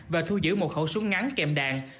và thu giữ một khẩu súng ngắn kèm đạn